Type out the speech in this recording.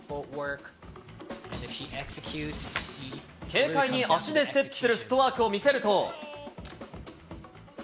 軽快に足でステップするフットワークを見せると。